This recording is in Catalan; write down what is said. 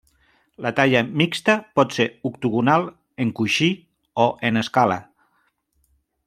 La talla mixta pot ser octogonal, en coixí o en escala.